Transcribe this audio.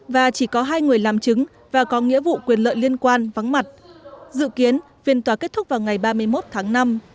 và chỉ có hai người làm chứng và có nghĩa vụ quyền lợi liên quan vắng mặt dự kiến phiên tòa kết thúc vào ngày ba mươi một tháng năm